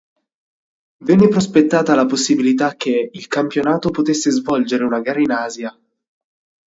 Venne prospettata la possibilità che il campionato potesse svolgere una gara in Asia.